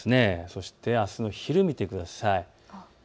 そしてあすの昼を見てください。